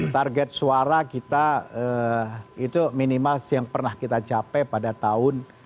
target suara kita itu minimal yang pernah kita capai pada tahun dua ribu empat